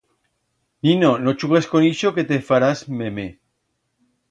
Nino, no chugues con ixo que te farás meme.